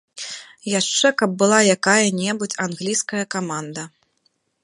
Яшчэ каб была якая-небудзь англійская каманда.